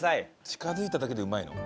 近づいただけでうまいの？